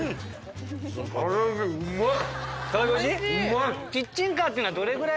うまい。